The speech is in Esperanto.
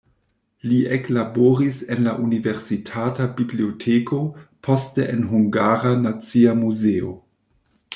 Li eklaboris en la universitata biblioteko, poste en Hungara Nacia Muzeo.